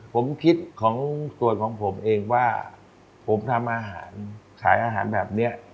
ผมคิดของส่วนของผมเองว่าผมทำอาหารขายอาหารแบบนี้